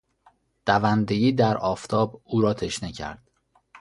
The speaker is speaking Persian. دوندگی در آفتاب او را تشنه کرد.